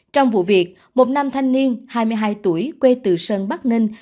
trong vụ việc một nam thanh niên hai mươi hai tuổi quê từ sơn bắc ninh